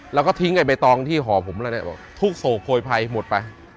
เราก็ทิ้งใบตองที่ห่อผมแล้วเนี่ยทุกข์โศกโพยภัยหมดไป